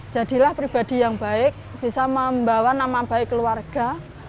jadilah pribadi yang baik bisa membawa nama baik keluarga